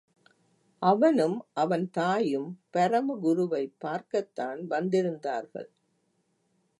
அவனும், அவன் தாயும், பரமகுருவைப் பார்க்கத்தான் வந்திருந்தார்கள்.